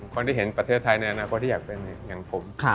คนที่เห็นประเทศไทยในอนาคตที่อยากเป็นอย่างผม